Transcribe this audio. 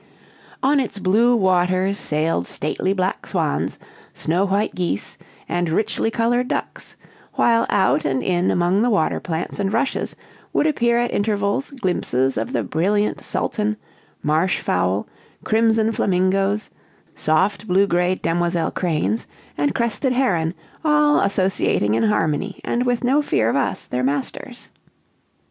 On its blue waters sailed stately black swans, snow white geese, and richly colored ducks; while out and in among the water plants and rushes would appear at intervals glimpses of the brilliant sultan, marsh fowl, crimson flamingos, soft, blue gray, demoiselle cranes, and crested heron, all associating in harmony, and with no fear of us, their masters.